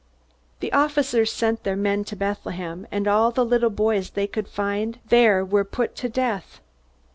The officers sent their men to Bethlehem, and all the little boys they could find there were put to death.